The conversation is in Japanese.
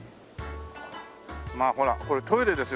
まあほらこれトイレですよ。